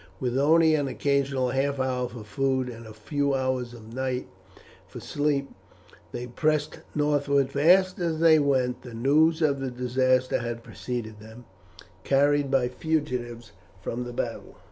With only an occasional half hour for food and a few hours at night for sleep they pressed northward. Fast as they went the news of the disaster had preceded them, carried by fugitives from the battle.